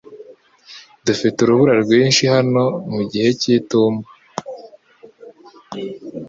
Dufite urubura rwinshi hano mu gihe cy'itumba.